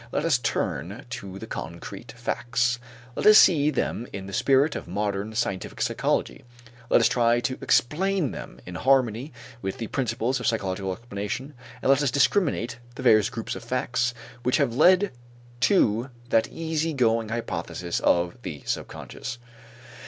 Let us turn to the concrete facts, let us see them in the spirit of modern scientific psychology, let us try to explain them in harmony with the principles of psychological explanation, and let us discriminate the various groups of facts which have led to that easy going hypothesis of the subconscious.